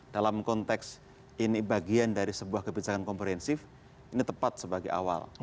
dalam konteks ini bagian dari sebuah kebijakan komprehensif ini tepat sebagai awal